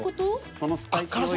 このスパイシ―